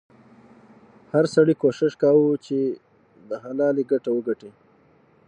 هر سړي کوښښ کاوه چې د حلالې ګټه وګټي.